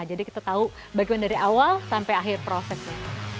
jadi kita tahu bagaimana dari awal sampai akhir prosesnya